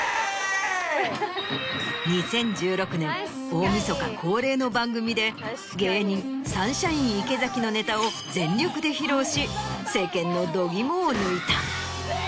大みそか恒例の番組で芸人サンシャイン池崎のネタを全力で披露し世間の度肝を抜いた。